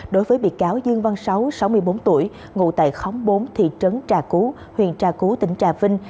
đối với bị cáo dương văn sáu sáu mươi bốn tuổi ngụ tại khóng bốn thị trấn trà cú huyện trà cú tỉnh trà vinh